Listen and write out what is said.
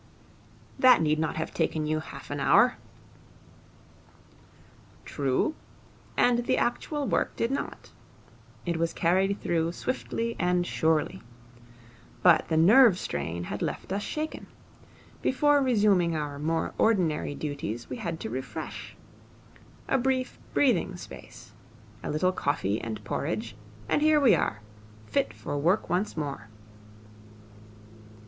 'That need not have taken you half an hour.' 'True. And the actual work did not. It was carried through swiftly and surely. But the nerve strain had left us shaken. Before resuming our more ordinary duties we had to refresh. A brief breathing space, a little coffee and porridge, and here we are, fit for work once more.'